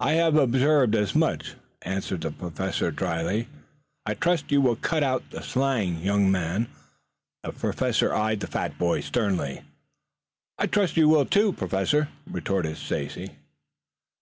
"I have observed as much," answered the Professor dryly. "I trust you will cut out slang, young man." The Professor eyed the fat boy sternly. "I trust you will, too, Professor," retorted Stacy.